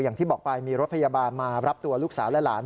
อย่างที่บอกไปมีรถพยาบาลมารับตัวลูกสาวและหลาน